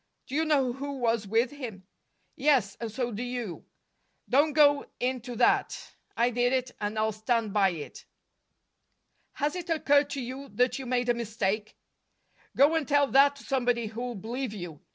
"Do you know who was with him?" "Yes, and so do you. Don't go into that. I did it, and I'll stand by it." "Has it occurred to you that you made a mistake?" "Go and tell that to somebody who'll believe you!"